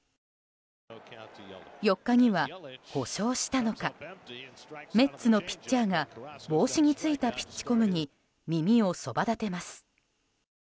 ４日には、故障したのかメッツのピッチャーが帽子についたピッチコムに耳をそばだてます。